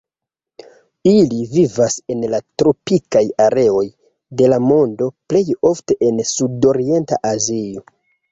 Ili vivas en la tropikaj areoj de la mondo, plej ofte en sudorienta Azio.